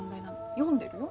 読んでるよ？